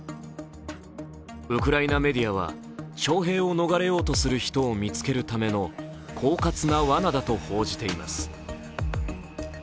ウクライナメディアは、徴兵を逃れようとする人を見つけるためのこうかつなわなだと報じています。